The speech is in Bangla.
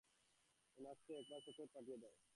উনাকে এক বাক্স চকলেট পাঠিয়ে দেব।